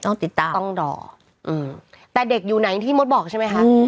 ต้องติดตามต้องรออืมแต่เด็กอยู่ไหนที่มดบอกใช่ไหมคะ